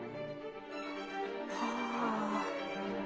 はあ。